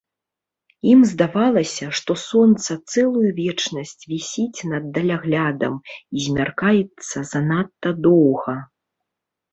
Ім здавалася, што сонца цэлую вечнасць вісіць над даляглядам і змяркаецца занадта доўга.